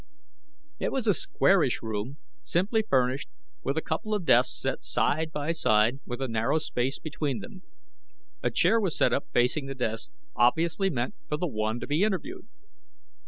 It was a squarish room, simply furnished, with a couple of desks set side by side with a narrow space between them. A chair was set up facing the desks, obviously meant for the one to be interviewed.